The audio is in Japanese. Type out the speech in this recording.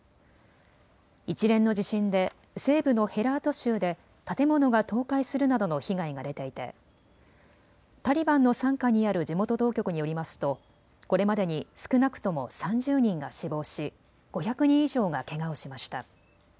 一連の地震で西部のヘラート州で建物が倒壊するなどの被害が出ていてタリバンの傘下にある地元当局によりますとこれまでに少なくとも３０人が死亡し、５００人以上がけがをしました。